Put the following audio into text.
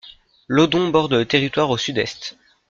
L'Odon borde le territoire au sud-est.